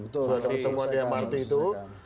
pertemuan mrt itu